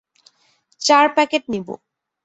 চার প্যাকেট নিবো।